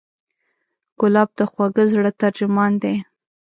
ګلاب د خوږه زړه ترجمان دی.